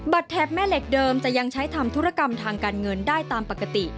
แถบแม่เหล็กเดิมจะยังใช้ทำธุรกรรมทางการเงินได้ตามปกติ